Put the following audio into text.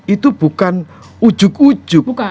itu bukan ujuk ujuk